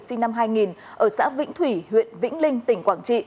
sinh năm hai nghìn ở xã vĩnh thủy huyện vĩnh linh tỉnh quảng trị